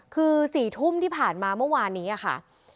คือ๔ทุ่มที่ผ่านมาเมื่อวานนี้ค่ะ